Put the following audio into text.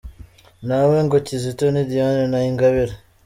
Nawe ngo Kizito na Diane na Ingabire.